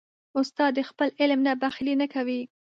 استاد د خپل علم نه بخیلي نه کوي.